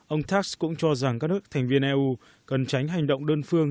ông tass cũng cho rằng các nước thành viên eu cần tránh hành động đơn phương